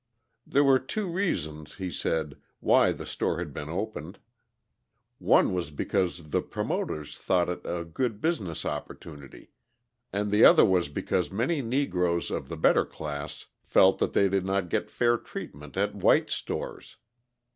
There were two reasons, he said, why the store had been opened; one was because the promoters thought it a good business opportunity, and the other was because many Negroes of the better class felt that they did not get fair treatment at white stores.